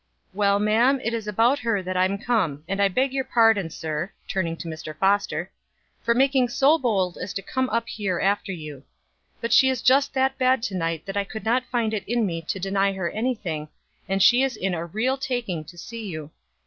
"Well, ma'am, it is about her that I'm come, and I beg your pardon, sir (turning to Mr. Foster), for making so bold as to come up here after you; but she is just that bad to night that I could not find it in me to deny her any thing, and she is in a real taking to see you.